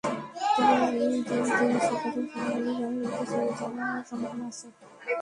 তবে, ঈদের দিন সকালে সবাই মিলে গ্রামের বাড়িতে চলে যাওয়া সম্ভাবনা আছে।